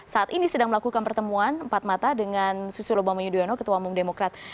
saat ini sedang melakukan pertemuan empat mata dengan susilo bambang yudhoyono ketua umum demokrat